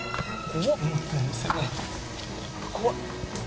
怖っ！